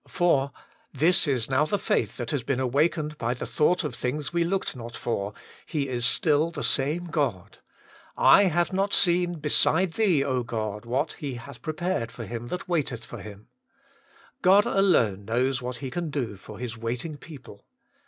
*For' — this is now the faith that has been awakened by the thought of things we looked not for. He is still the same God —* eye hath not seen beside Thee, God, what He hath prepared for him that waiteth for Him.' God alone knows what He can do for His waiting people.